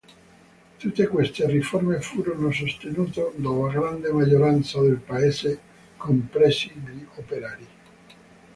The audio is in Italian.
Tutte queste riforme furono sostenute dalla grande maggioranza del paese, compresi gli operai.